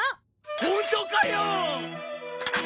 本当かよ！